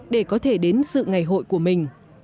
để có thể đến dự ngày hội của mình